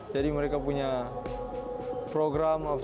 jadi mereka punya program apa semua